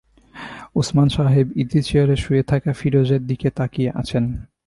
ওসমান সাহেব ইজিচেয়ারে শুয়ে থাকা ফিরোজের দিকে তাকিয়ে আছেন।